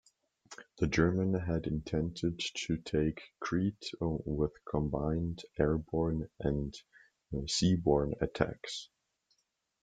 The Germans had intended to take Crete with combined airborne and seaborne attacks.